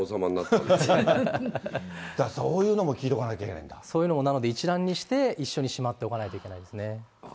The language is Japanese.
だから、そういうのも聞いてそういうのも、なので一覧にして一緒にしまっておかないといけないですね。